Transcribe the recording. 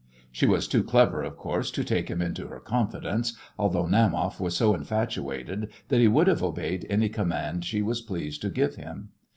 She was too clever, of course, to take him into her confidence, although Naumoff was so infatuated that he would have obeyed any command she was pleased to give him.